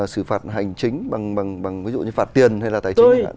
xử phạt hành chính bằng ví dụ như phạt tiền hay là tài chính